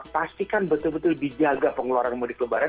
pastikan betul betul dijaga pengeluaran mudik lebaran